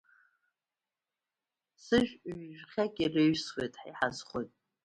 Сыжә ҩы-жәхьак иреиҩсуеит, ҳара иҳазхоит!